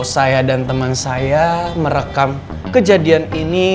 saya dan teman saya merekam kejadian ini